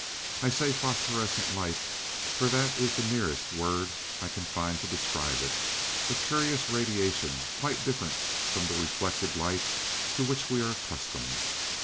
I say phosphorescent light, for that is the nearest word I can find to describe it a curious radiation, quite different from the reflected light to which we are accustomed.